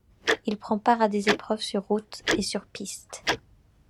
Il prend part à des épreuves sur route et sur piste.